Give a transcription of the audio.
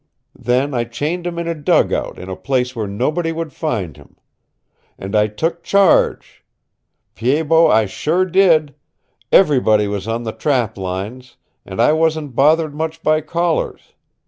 Then I chained him in a dugout in a place where nobody would find him. And I took charge. Pied Bot, I sure did! Everybody was on the trap lines, and I wasn't bothered much by callers.